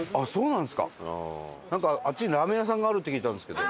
なんかあっちにラーメン屋さんがあるって聞いたんですけど。